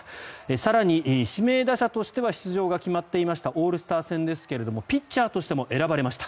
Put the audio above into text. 更に、指名打者としては出場が決まっていましたオールスター戦ですけれどもピッチャーとしても選ばれました。